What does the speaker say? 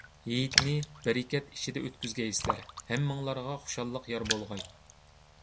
ھېيتنى بەرىكەت ئىچىدە ئۆتكۈزگەيسىلەر، ھەممىڭلارغا خۇشاللىق يار بولغاي.